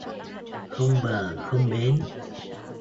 Không bờ không bến